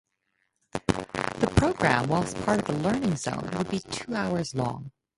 The programme whilst part of Learning Zone would be two hours long.